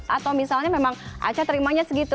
atau misalnya memang aca terimanya segitu